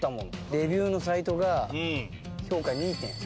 レビューのサイトが評価２．３。